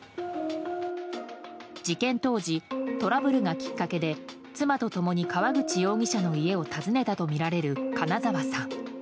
事件当時、トラブルがきっかけで妻と共に川口容疑者の家を訪ねたとみられる金沢さん。